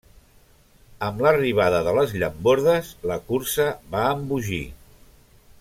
Amb l'arribada de les llambordes la cursa va embogir.